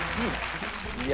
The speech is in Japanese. いや！